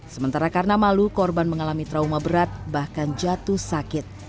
sementara karena malu korban mengalami trauma berat bahkan jatuh sakit